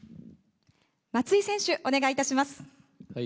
松井選手、お願いいたします。